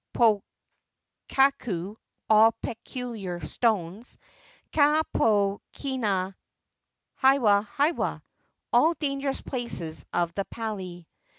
pokaku (all peculiar stones). """ hiwa hiwa (all dangerous places of the pali).